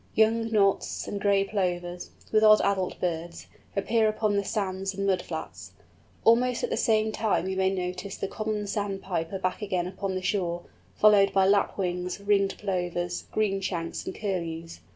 Young Knots and Gray Plovers, with odd adult birds, appear upon the sands and mudflats. Almost at the same time we may notice the Common Sandpiper back again upon the shore, followed by Lapwings, Ringed Plovers, Greenshanks, and Curlews.